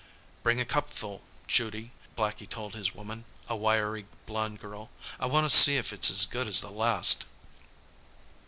"Bring a cupful, Judy," Blackie told his woman, a wiry blond girl. "I wanna see if it's as good as the last."